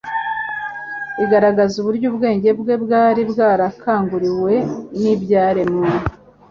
igaragaza uburyo ubwenge bwe bwari bwarakanguwe n'ibyaremwe